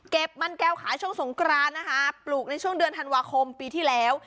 มันแก้วขายช่วงสงกรานนะคะปลูกในช่วงเดือนธันวาคมปีที่แล้ว